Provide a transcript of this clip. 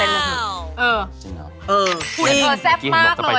คุณเธอแซ่บมากเลยหรือเปล่าใช่เข้าไปด้วย